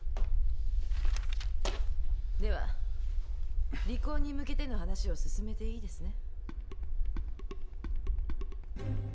では離婚に向けての話を進めていいですね？